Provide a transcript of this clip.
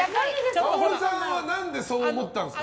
かおるさんは何でそう思ったんですか？